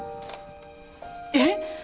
えっ？